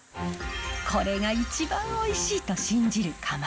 これが一番おいしいと信じるかまど炊き。